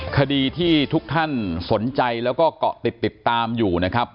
คดีที่ทุกท่านสนใจแล้วก็เกาะติดติดตามอยู่นะครับ